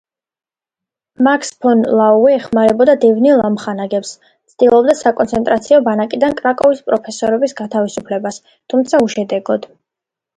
მაქს ფონ ლაუე ეხმარებოდა დევნილ ამხანაგებს, ცდილობდა საკონცენტრაციო ბანაკიდან კრაკოვის პროფესორების გათავისუფლებას, თუმცა უშედეგოდ.